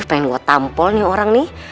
lu pengen gua tampol nih orang nih